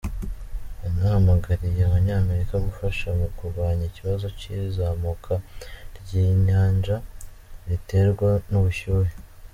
Yanahamagariye Abanyamerika gufasha mu kurwanya ikibazo cy'izamuka ry'inyanja, riterwa n'ubushyuhe.